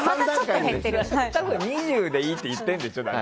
２０でいいって言ってるんでしょ。